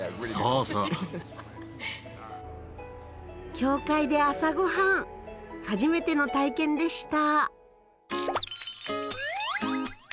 教会で朝御飯初めての体験でした。